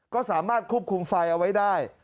ก็สามารถควบคุมไฟเอาไว้ได้